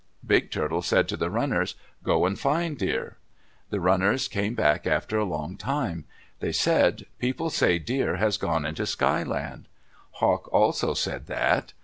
Big Turtle said to the runners, "Go find Deer." The runners came back after a long time. They said, "People say Deer has gone into Sky Land." Hawk also said that.